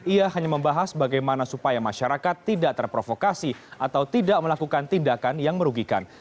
ia hanya membahas bagaimana supaya masyarakat tidak terprovokasi atau tidak melakukan tindakan yang merugikan